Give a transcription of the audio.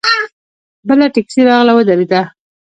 بله ټیکسي راغله ودرېده.